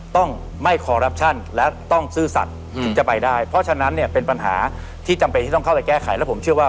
ต้องไม่คอรัปชั่นและต้องซื่อสัตว์ถึงจะไปได้เพราะฉะนั้นเนี่ยเป็นปัญหาที่จำเป็นที่ต้องเข้าไปแก้ไขแล้วผมเชื่อว่า